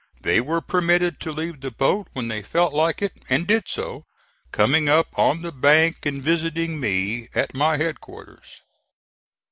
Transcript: They were permitted to leave the boat when they felt like it, and did so, coming up on the bank and visiting me at my headquarters.